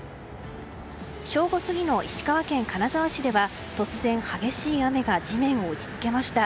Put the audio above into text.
正午過ぎの石川県金沢市では突然、激しい雨が地面を打ち付けました。